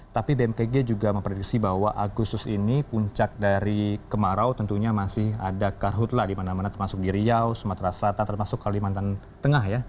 tapi bmkg juga memprediksi bahwa agustus ini puncak dari kemarau tentunya masih ada karhutlah di mana mana termasuk di riau sumatera selatan termasuk kalimantan tengah ya